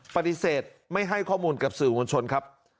ปฏิเสธไม่ให้ข้อมูลกับสื่อมวลชนครับ